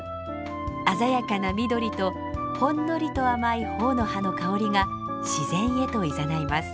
鮮やかな緑とほんのりと甘い朴の葉の香りが自然へといざないます。